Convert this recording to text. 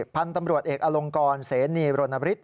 พันธุ์ตำรวจเอกอลงกรเสนีรณบริษฐ